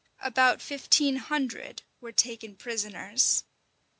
About fifteen hundred were taken prisoners.